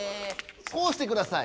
こうしてください。